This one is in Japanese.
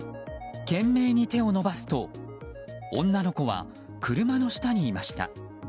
懸命に手を伸ばすと女の子は車の下にいました。